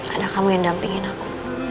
ada kamu yang dampingin aku